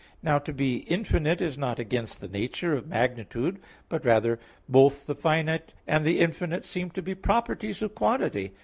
Now to be infinite is not against the nature of magnitude; but rather both the finite and the infinite seem to be properties of quantity.